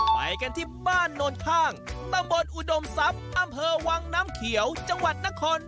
ไปกันที่บ้านโนนข้างตำบลอุดมทรัพย์อำเภอวังน้ำเขียวจังหวัดนคร